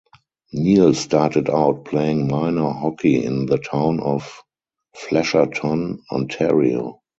Neil started out playing minor hockey in the town of Flesherton, Ontario.